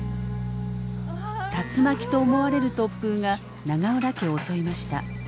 竜巻と思われる突風が永浦家を襲いました。